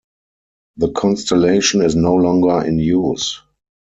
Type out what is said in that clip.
The constellation is no longer in use.